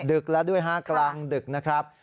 ดึกแล้วด้วยฮะกลางดึกนะครับ